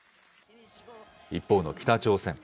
一方の北朝鮮。